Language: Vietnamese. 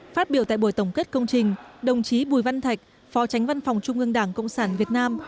phát biểu tại buổi tổng kết công trình đồng chí bùi văn thạch phó tránh văn phòng trung ương đảng cộng sản việt nam